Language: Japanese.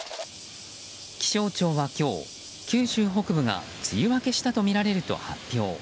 気象庁は今日、九州北部が梅雨明けしたとみられると発表。